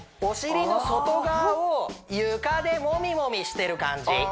お尻の外側を床でもみもみしてる感じ